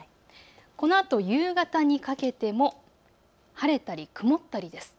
このあと夕方にかけても晴れたり曇ったりです。